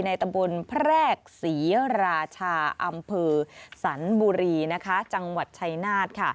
ตำบลแพรกศรีราชาอำเภอสันบุรีจังหวัดชัยนาธ